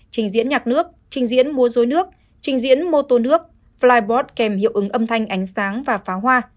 trình diễn nhạc nước trình diễn mua dối nước trình diễn mô tô nước flybot kèm hiệu ứng âm thanh ánh sáng và phá hoa